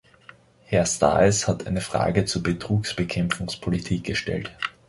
Herr Staes hat eine Frage zur Betrugsbekämpfungspolitik gestellt.